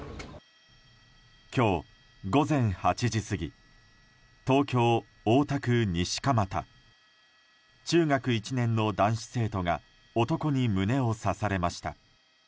今日午前８時過ぎ東京・大田区西蒲田中学１年の男子生徒が男に胸を刺されました。